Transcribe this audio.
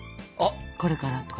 これから」とか。